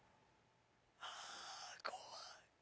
あ怖い。